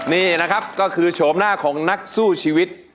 นี่นะครับก็คือโฉมหน้าของนักสู้ชีวิต